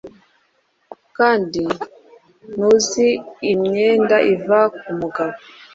Kandi ntuzi Imyenda iva kumugabo